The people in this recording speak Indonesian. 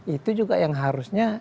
itu juga yang harusnya